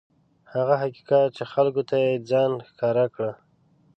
هغه حقیقت چې خلکو ته یې ځان ښکاره کړی.